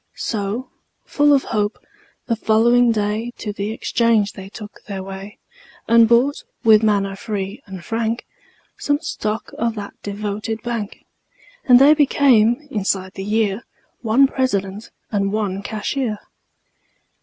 So, full of hope, the following day To the exchange they took their way And bought, with manner free and frank, Some stock of that devoted bank; And they became, inside the year, One President and one Cashier.